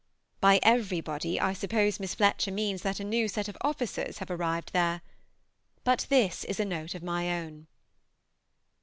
By everybody, I suppose Miss Fletcher means that a new set of officers have arrived there. But this is a note of my own.